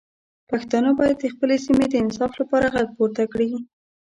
پښتانه باید د خپلې سیمې د انصاف لپاره غږ پورته کړي.